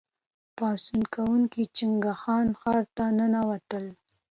پاڅون کوونکي د چانګان ښار ته ننوتل.